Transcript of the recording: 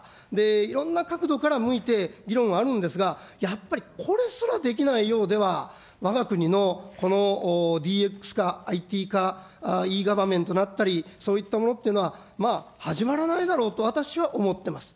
いろんな角度から向いて、議論はあるんですが、やっぱりこれすらできないようでは、わが国のこのＤＸ化、ＩＴ化、イーガバメントになったり、そういったものっていうのは、まあ、始まらないだろうと私は思ってます。